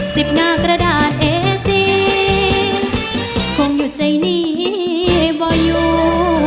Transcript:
สิบหน้ากระดาษเอซีคงอยู่ใจนี้บ่อยู่